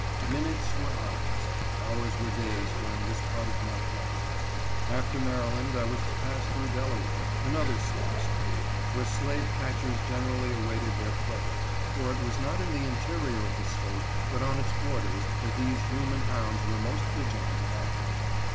Minutes were hours, and hours were days during this part of my flight. After Maryland, I was to pass through Delaware—another slave State, where slave catchers generally awaited their prey, for it was not in the interior of the State, but on its borders, that these human hounds were most vigilant and active.